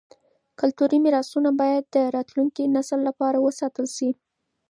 کلتوري میراثونه باید د راتلونکي نسل لپاره وساتل شي.